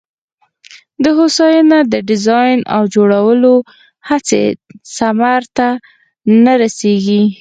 د هوساینه د ډیزاین او جوړولو هڅې ثمر ته نه رسېږي.